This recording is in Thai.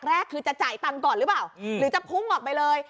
ขยักแรกจะจ่ายปั๊มหรือบ่าวหรือจะพุ่งออกไปเลย